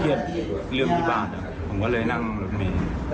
เครียดเรื่องที่บ้านครับผมก็เลยนั่งรถเมล์